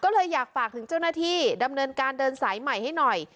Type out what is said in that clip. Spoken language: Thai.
ก็เลยอยากฝากถึงเจ้าหน้าที่ดำเนินการเดินสายใหม่ให้หน่อย